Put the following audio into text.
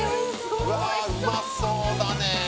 うわっうまそうだね！